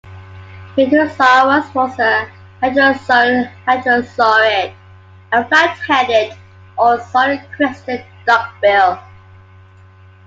"Kritosaurus" was a hadrosaurine hadrosaurid, a flat-headed or solid-crested duckbill.